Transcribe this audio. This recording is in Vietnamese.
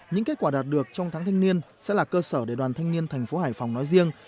những kết quả đạt được trong tháng thanh niên sẽ là cơ sở để đoàn thanh niên thành phố hải phòng nói riêng